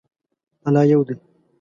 الله یو دی